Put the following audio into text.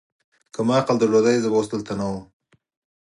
که ما عقل درلودای، زه به اوس دلته نه ووم.